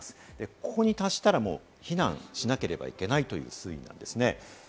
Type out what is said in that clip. ここに達したら避難しなければいけないという水位です。